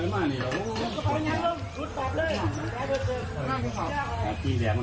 อาเมีย